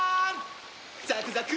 ザクザク！